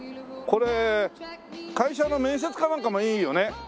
これ会社の面接かなんかもいいよね。